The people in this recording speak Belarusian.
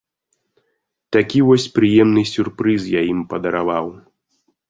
Такі вось прыемны сюрпрыз я ім падараваў.